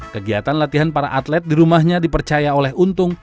kegiatan latihan para atlet di rumahnya dipercaya oleh untung